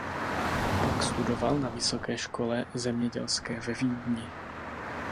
Pak studoval na Vysoké škole zemědělské ve Vídni.